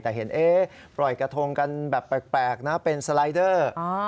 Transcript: แต่เห็นปล่อยกระทงกันแบบแปลกนะเป็นสไลเดอร์